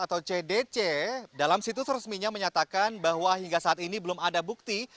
atau cdc dalam situs resminya menyatakan bahwa hingga saat ini belum ada bukti